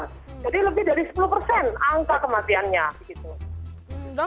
jadi lebih dari sepuluh persen angka kematiannya